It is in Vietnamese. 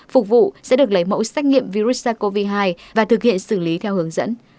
phục vụ sẽ được lấy mẫu xét nghiệm virus sars cov hai và thực hiện xử lý theo hướng dẫn